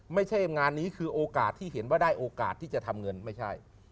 ไม่ใช่งานนี้คือโอกาสที่เห็นว่าได้โอกาสที่จะทำเงินไม่ใช่